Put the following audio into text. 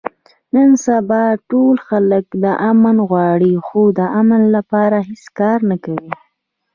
نن سبا ټول خلک امن غواړي، خو د امن لپاره هېڅ کار نه کوي.